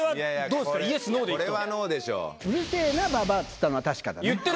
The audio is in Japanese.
「うるせぇなババア」っつったのは確かだな。